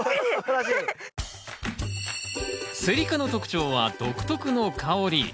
セリ科の特徴は独特の香り。